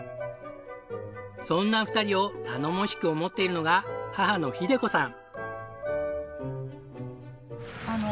そんな２人を頼もしく思っているのが母の秀子さん。